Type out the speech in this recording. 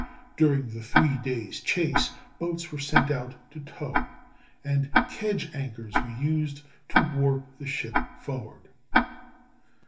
During the three days' chase boats were sent out to tow, and kedge anchors were used to warp the ship forward.